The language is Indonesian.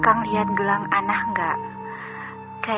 anak enggak kayaknya ketinggalan di rumah enggak tahu nah coba nangis aja ya